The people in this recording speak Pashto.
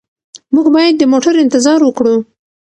موږ باید د موټر انتظار وکړو.